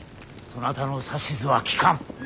そなたの指図は聞かん。